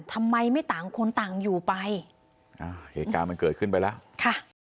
ทำไมไม่ต่างคนต่างอยู่ไปอ่าเหตุการณ์มันเกิดขึ้นไปแล้วค่ะ